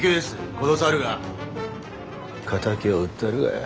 この猿が敵を討ったるがや。